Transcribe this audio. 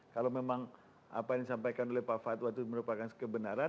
kalau memang apa yang disampaikan oleh pak fatwa itu merupakan kebenaran